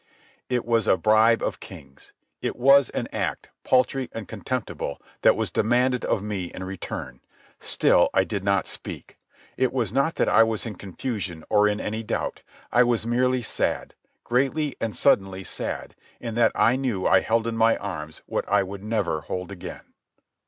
It was a bribe of kings; it was an act, paltry and contemptible, that was demanded of me in return. Still I did not speak. It was not that I was in confusion or in any doubt. I was merely sad—greatly and suddenly sad, in that I knew I held in my arms what I would never hold again.